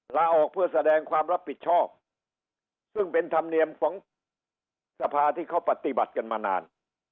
ลาออกเพื่อแสดงความรับผิดชอบซึ่งเป็นธรรมเนียมของสภาที่เขาปฏิบัติกันมานาน